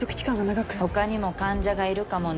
他にも患者がいるかもね。